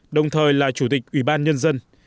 đồng thời là chủ tịch ủy ban nhân dân